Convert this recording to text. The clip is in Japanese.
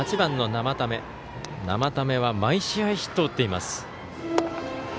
生田目は毎試合、ヒットを打っています。